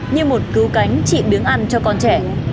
như một cứu cánh trị biếng ăn cho con trẻ